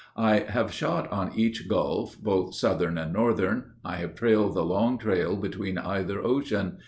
I have shot on each Gulf, both Southern and Northern. I have trailed the long trail between either ocean.